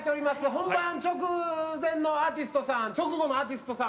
本番直前のアーティストさん直後のアーティストさん